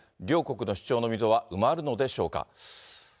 両国の主張の溝は埋まるのでしょうか。